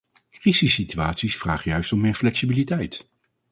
Crisissituaties vragen juist om meer flexibiliteit.